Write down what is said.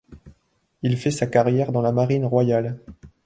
Il fait sa carrière dans la Marine royale.